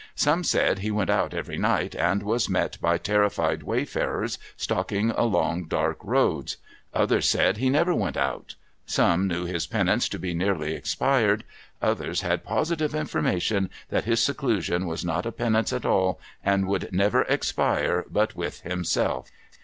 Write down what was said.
Some said he went out every night, and was met by terrified wayfarers stalking along dark roads, others said he never went out, some knew his penance to be nearly expired, others had positive information that his seclu sion was not a penance at all, and would never expire but with him self.